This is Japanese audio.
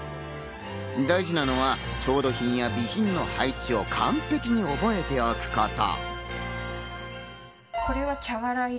大事なのは調度品や備品の配置を完璧に覚えておくこと。